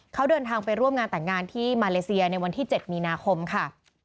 เขาเดินทางไปร่วมงานแต่งงานที่มาเลเซียในวันที่๗มีนาคมค่ะ